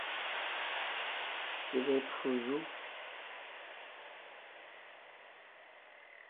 Syɛbɛ twó jú.